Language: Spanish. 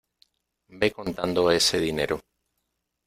ve contando ese dinero.